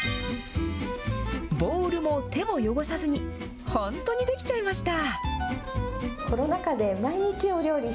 ボウルも手も汚さずに、本当にできちゃいました。